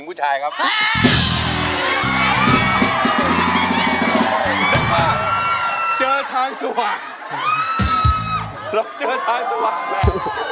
เข้าข้างหลังมืออย่างนี้